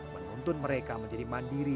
menuntun mereka menjadi mandiri